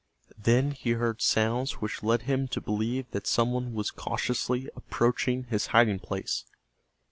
Then he heard sounds which led him to believe that some one was cautiously approaching his hiding place.